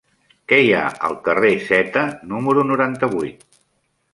Què hi ha al carrer Zeta número noranta-vuit?